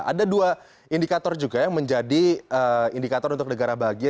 ada dua indikator juga yang menjadi indikator untuk negara bahagia